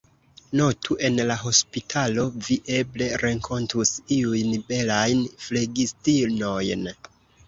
Notu, en la hospitalo, vi eble renkontus iujn belajn flegistinojn.